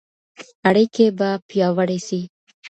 اړيکي به پياوړې سي.